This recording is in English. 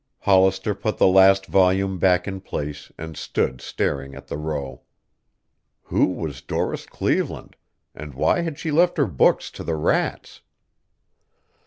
Hollister put the last volume back in place and stood staring at the row. Who was Doris Cleveland and why had she left her books to the rats?